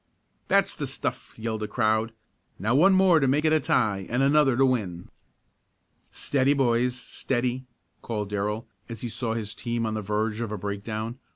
"That's the stuff!" yelled the crowd. "Now one more to make it a tie and another to win!" "Steady, boys! Steady!" called Darrell, as he saw his team on the verge of a breakdown.